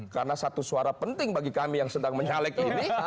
karena satu suara penting bagi kami yang sedang menyalek ini